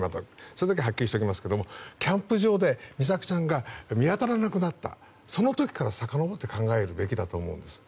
それだけははっきりしておきますけどもキャンプ場で美咲さんが見当たらなくなったその時からさかのぼって考えるべきだと思うんです。